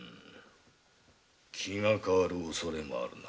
気が変わる恐れがあるな。